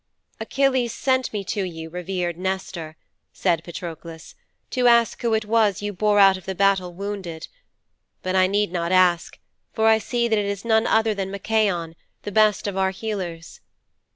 "Achilles sent me to you, revered Nestor," said Patroklos, "to ask who it was you bore out of the battle wounded. But I need not ask, for I see that it is none other than Machaon, the best of our healers."'